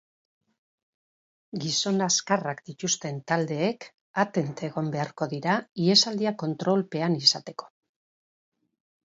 Gizon azkarrak dituzten taldeek atent egon beharko dira ihesaldiak kontrolpean izateko.